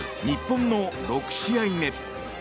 日本の６試合目。